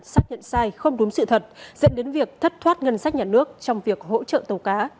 xác nhận sai không đúng sự thật dẫn đến việc thất thoát ngân sách nhà nước trong việc hỗ trợ tàu cá